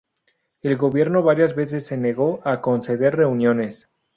El gobierno varias veces se negó a conceder reuniones.